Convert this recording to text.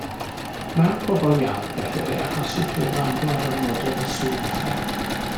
Mewn pobl iau, gellir ei achosi trwy wrando ar ormodedd o sŵn uchel.